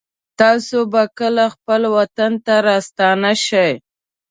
تاسو به کله خپل وطن ته راستانه شئ